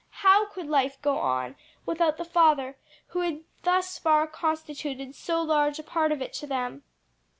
How could life go on without the father who had thus far constituted so large a part of it to them!